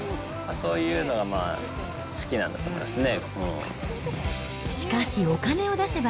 そういうのが好きなんだと思いますね。